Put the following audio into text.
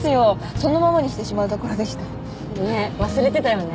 そのままにしてしまうところでしたねっ忘れてたよね